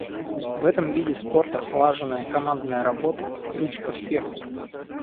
В этом виде спорта слаженная командная работа — ключ к успеху.